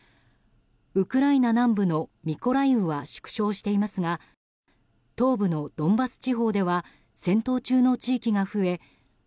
ウクライナ南部のミコライウは縮小していますが東部のドンバス地方では戦闘中の地域が増え